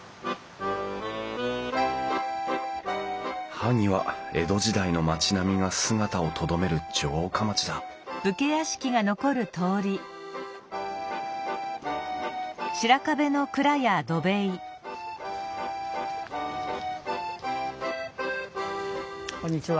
萩は江戸時代の町並みが姿をとどめる城下町だこんにちは。